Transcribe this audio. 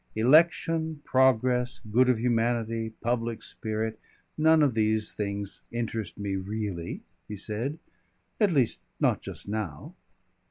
"Election, progress, good of humanity, public spirit. None of these things interest me really," he said. "At least, not just now."